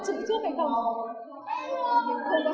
gần như là không đánh phần được